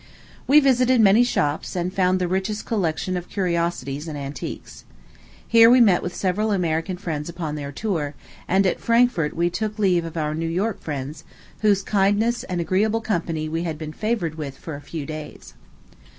We visited many shops, and found the richest collections of curiosities and antiquities. Here we met with several American friends upon their tour; and at Frankfort we took leave of our New York friends, whose kindness and agreeable company we had been favored with for a few days.